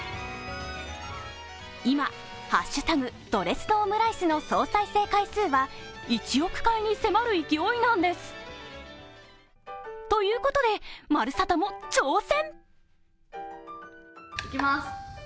今「＃ドレスドオムライス」の総再生回数は１億回に迫る勢いなんです。ということで、「まるサタ」も挑戦。